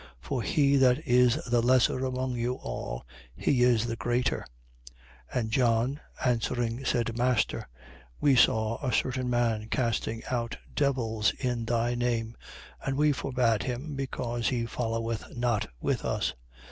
For he that is the lesser among you all, he is the greater. 9:49. And John, answering, said: Master, we saw a certain man casting out devils in thy name: and we forbade him, because he followeth not with us.